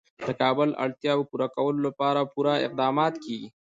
د کابل د اړتیاوو پوره کولو لپاره پوره اقدامات کېږي.